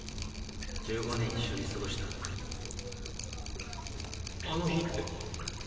１５年一緒に過ごしたのにあの日って？